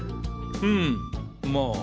うんまあ。